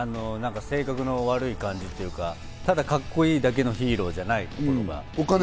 性格の悪い感じというか、ただカッコいいだけのヒーローじゃない。